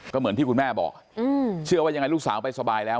ก็เหมือนที่คุณแม่บอกเชื่อว่ายังไงลูกสาวไปสบายแล้ว